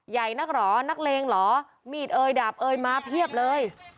ใหญ่นักเหรอนักเลงเหรอมีดเอ่ยดาบเอยมาเพียบเลย